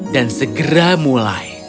dan segera mulai